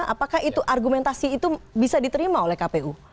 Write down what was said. apakah itu argumentasi itu bisa diterima oleh kpu